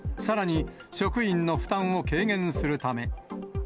さらに、職員の負担を軽減するため。